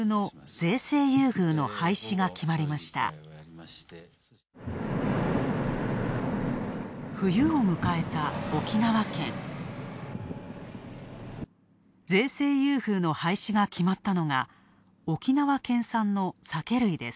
税制優遇の廃止が決まったのが、沖縄県産の酒類です。